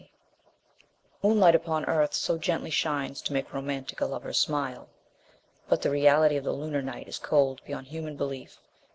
XX Moonlight upon Earth so gently shines to make romantic a lover's smile! But the reality of the Lunar night is cold beyond human belief.